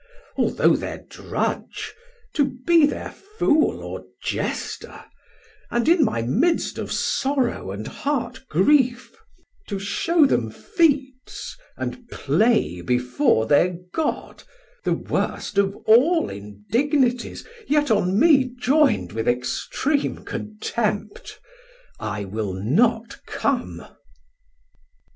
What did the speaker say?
Although thir drudge, to be thir fool or jester, And in my midst of sorrow and heart grief To shew them feats, and play before thir god, 1340 The worst of all indignities, yet on me Joyn'd with extream contempt? I will not come.